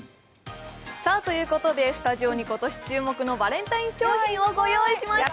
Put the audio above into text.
ということで、スタジオに今年注目のバレンタイン商品をご用意しました。